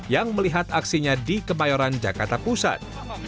yang melihat aksinya di kemayoran jakarta pusat